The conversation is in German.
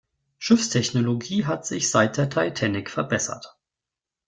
Schiffstechnologie hat sich seit der Titanic verbessert.